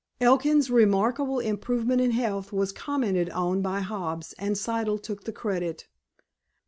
Elkin's remarkable improvement in health was commented on by Hobbs, and Siddle took the credit.